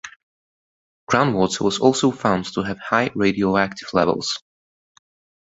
Ground water was also found to have high radioactive levels.